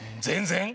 全然。